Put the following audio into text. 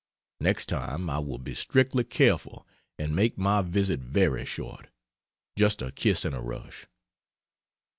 Next time I will be strictly careful and make my visit very short just a kiss and a rush.